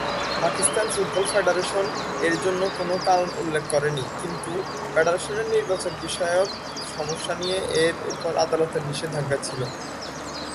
Pakistan football federation এর জন্য কোন কারণ উল্লেখ করেনি কিন্তু ফেডারেশনের নির্বাচন বিষয়ক সমস্যা নিয়ে এর উপর আদালতের নিষেধাজ্ঞা ছিলো।